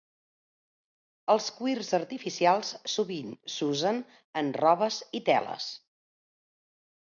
Els cuirs artificials sovint s'usen en robes i teles.